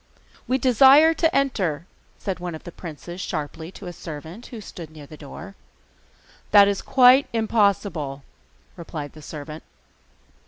'We desire to enter,' said one of the princes sharply to a servant who stood near the door. 'That is quite impossible,' replied the servant.